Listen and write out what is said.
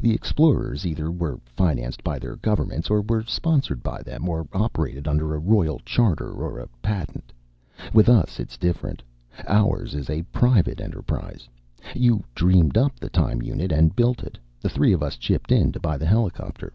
The explorers either were financed by their governments or were sponsored by them or operated under a royal charter or a patent. With us, it's different. Ours is a private enterprise. You dreamed up the time unit and built it. The three of us chipped in to buy the helicopter.